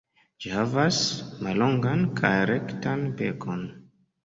Ĝi havas mallongan kaj rektan bekon.